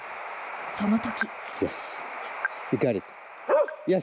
その時。